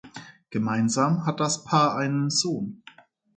Gemeinsam hat das Paar einen Sohn.